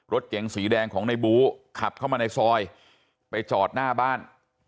รถเก๋งสีแดงของในบูขับเข้ามาในซอยไปจอดหน้าบ้าน